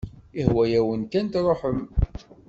Ihwa-yawen kan truḥem.